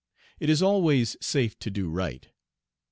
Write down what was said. It is always safe to do right.